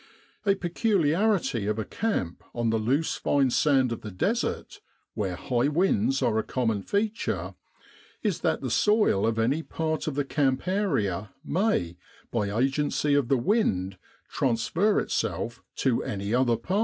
A peculiarity of a camp on the loose fine sand of the Desert, where high winds are a common feature, is that the soil of any part of the camp area may, by agency of the wind, transfer itself to any other part.